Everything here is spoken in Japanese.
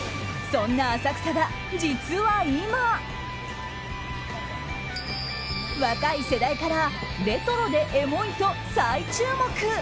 そんな浅草が、実は今若い世代からレトロでエモいと再注目！